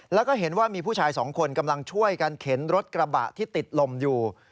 แล้วก็เห็นว่ามีผู้ชายสองคนกำลังช่วยกันเข็นรถกระบะที่ติดลมอยู่